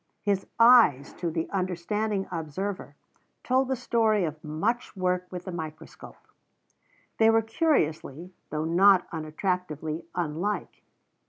His eyes, to the understanding observer, told the story of much work with the microscope. They were curiously, though not unattractively, unlike.